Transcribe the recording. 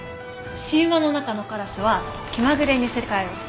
神話の中のカラスは気まぐれに世界をつくってたりする。